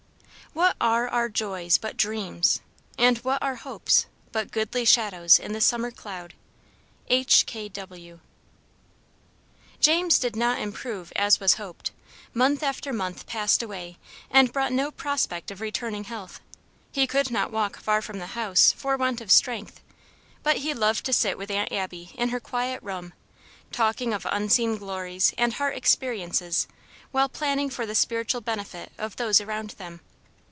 "What are our joys but dreams? and what our hopes But goodly shadows in the summer cloud?" H. K. W. JAMES did not improve as was hoped. Month after month passed away, and brought no prospect of returning health. He could not walk far from the house for want of strength; but he loved to sit with Aunt Abby in her quiet room, talking of unseen glories, and heart experiences, while planning for the spiritual benefit of those around them.